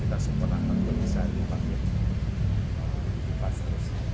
kita sempurna kita bisa dipakai